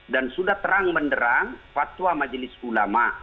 dan sudah terang menderang fatwa majelis ulama